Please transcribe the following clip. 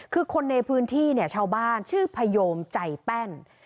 คือคนในพื้นที่เนี่ยชาวบ้านชื่อพยมใจแป้น